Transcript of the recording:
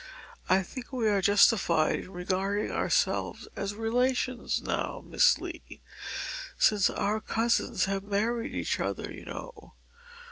"I think that we are justified in regarding ourselves as relations now, Miss Lee, since our cousins have married each other, you know.